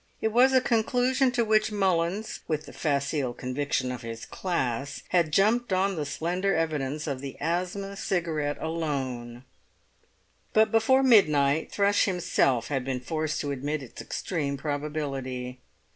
It was a conclusion to which Mullins, with the facile conviction of his class, had jumped on the slender evidence of the asthma cigarette alone; but before midnight Thrush himself had been forced to admit its extreme probability.